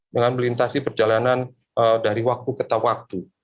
dengan melintasi perjalanan dari waktu ke waktu